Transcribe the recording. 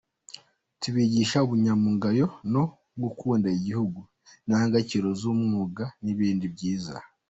Tubigisha ubunyangamugayo no, gukunda igihugu, indangagaciro z’umwuga n’ibindi byiza.